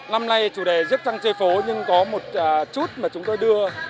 năm nay chủ đề là rước trang chơi phố nhưng có một chút mà chúng tôi đưa